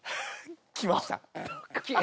来ました？